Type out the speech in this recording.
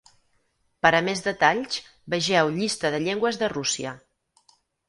Per a més detalls, vegeu Llista de llengües de Rússia.